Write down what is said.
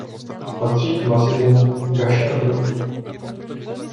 Patří k masivu Gašerbrum.